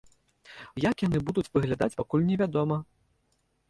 Як яны будуць выглядаць, пакуль невядома.